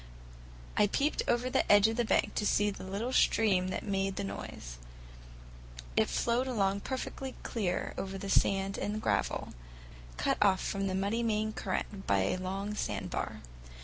I peeped over the edge of the bank to see the little stream that made the noise; it flowed along perfectly clear over the sand and gravel, cut off from the muddy main current by a long sandbar.